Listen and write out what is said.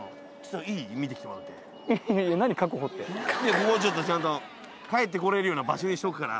ここちょっとちゃんと帰ってこれるような場所にしとくから。